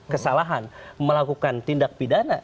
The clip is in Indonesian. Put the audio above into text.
kesalahan melakukan tindak pidana